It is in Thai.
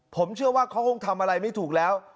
ผมเชื่อว่าเขาคงทำอะไรไม่ถูกแล้ว